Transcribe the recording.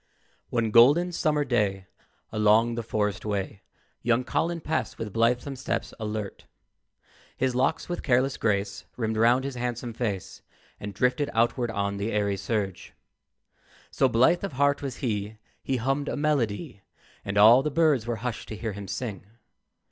One golden summer day, Along the forest way, Young Colin passed with blithesome steps alert. His locks with careless grace Rimmed round his handsome face And drifted outward on the airy surge. So blithe of heart was he, He hummed a melody, And all the birds were hushed to hear him sing.